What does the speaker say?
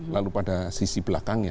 lalu pada sisi belakangnya